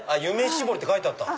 しぼりって書いてあった。